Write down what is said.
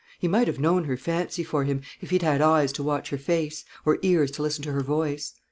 He might have known her fancy for him, if he'd had eyes to watch her face, or ears to listen to her voice.